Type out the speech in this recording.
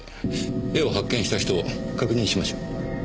絵を発見した人を確認しましょう。